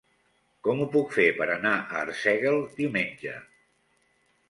Com ho puc fer per anar a Arsèguel diumenge?